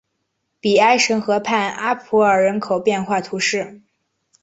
比埃什河畔阿普尔人口变化图示